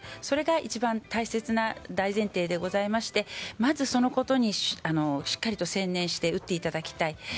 それが一番大切な大前提でございましてまずそのことにしっかりと専念して、打っていただきたい。